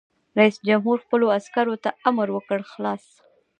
رئیس جمهور خپلو عسکرو ته امر وکړ؛ خلاص!